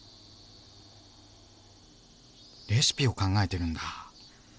レシピを考えてるんだ。